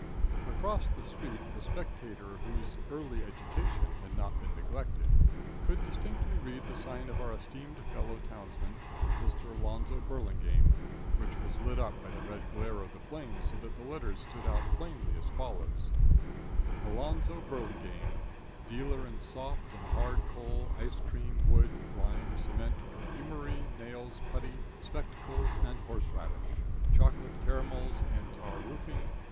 Across the street the spectator whose early education had not been neglected could distinctly read the sign of our esteemed fellow townsman, Mr. Alonzo Burlingame, which was lit up by the red glare of the flames so that the letters stood out plainly as follows: Alonzo Burlingame, Dealer in Soft and Hard Coal, Ice Cream, Wood, Lime, Cement, Perfumery, Nails, Putty, Spectacles, and Horse Radish. Chocolate Caramels and Tar Roofing.